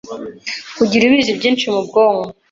Kugira ibizi byinshi mu bwonko